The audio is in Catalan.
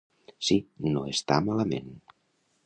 Sí, no està malament.